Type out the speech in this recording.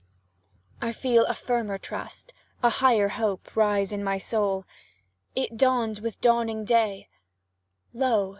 I feel a firmer trust a higher hope Rise in my soul it dawns with dawning day; Lo!